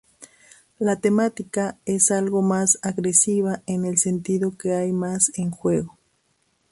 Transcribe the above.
La temática es algo más agresiva en el sentido que hay más en juego.